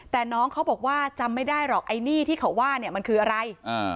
แต่น้องเขาบอกว่าจำไม่ได้หรอกไอ้หนี้ที่เขาว่าเนี่ยมันคืออะไร